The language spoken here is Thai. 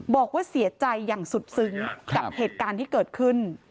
บอกว่าเสียใจอย่างสุดซึ้งกับเหตุการณ์ที่เกิดขึ้น